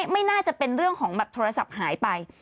ไม่น่าจะเป็นเรื่องของแบบโทรศัพท์หายไป